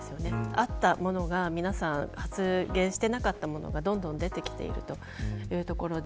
あったものが皆さん発言していなかったものがどんどん出てきているということで。